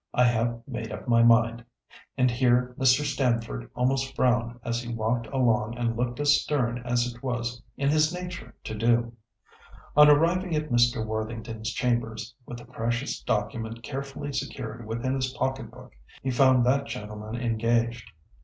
I have made up my mind." And here Mr. Stamford almost frowned as he walked along and looked as stern as it was in his nature to do. On arriving at Mr. Worthington's chambers, with the precious document carefully secured within his pocket book, he found that gentleman engaged.